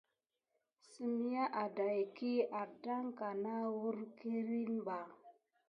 Səm ya áɗaïkiy aɗan ka na wure kilin ɓà.